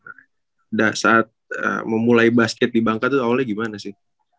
pada saat memulai basket di bangka tuh awalnya gimana sih